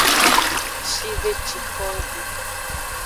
Shve ci kowo go.